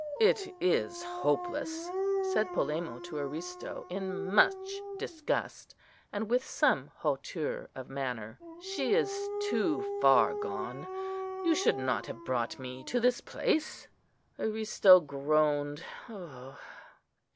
"It is hopeless," said Polemo to Aristo, in much disgust, and with some hauteur of manner: "she is too far gone. You should not have brought me to this place." Aristo groaned.